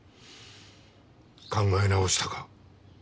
考え直したか？